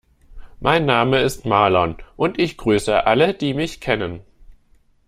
Mein Name ist Marlon und ich grüße alle, die mich kennen.